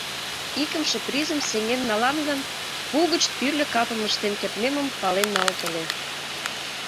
Икымше призым сеҥен налам гын, пу гыч тӱрлӧ капым ыштен кертмемым пален налыт ыле.